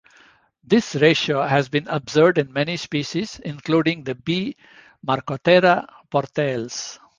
This ratio has been observed in many species, including the bee Macrotera portalis.